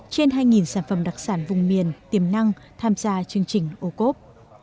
trên hai sản phẩm đặc sản vùng miền tiềm năng tham gia chương trình ô cốp